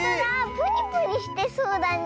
プニプニしてそうだね